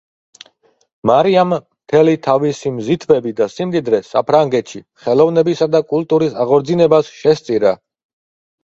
მარიამ მთელი თავისი მზითვები და სიმდიდრე საფრანგეთში ხელოვნებისა და კულტურის აღორძინებას შესწირა.